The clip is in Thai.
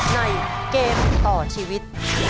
ในเกมต่อชีวิต